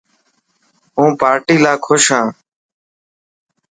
هون پارٽي لاءِ خوش هان.